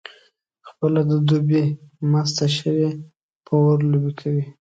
څیله د دوبي مسته شوې په اور لوبې کوي